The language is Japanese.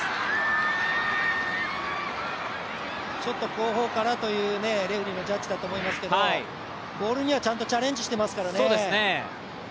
後方からというレフェリーのジャッジだと思いますけどボールには、ちゃんとチャレンジしていますからね。